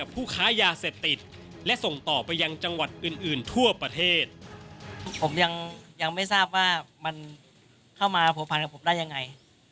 ผมยังไม่ทราบว่ามันเข้ามาโผพันกับผมได้ยังไง